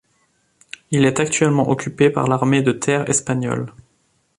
Il est actuellement occupé par l'armée de terre espagnole.